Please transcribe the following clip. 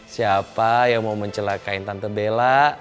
siapa yang mau mencelakain tante bella